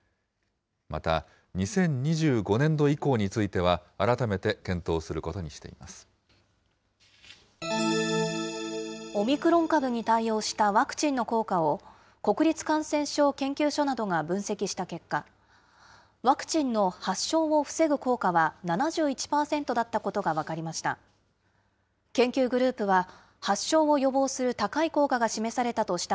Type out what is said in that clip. また２０２５年度以降については、オミクロン株に対応したワクチンの効果を、国立感染症研究所などが分析した結果、ワクチンの発症を防ぐ効果は７１％だったことが分かりました。